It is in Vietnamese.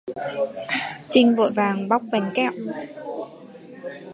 Trinh vội vàng bóc Bánh Kẹo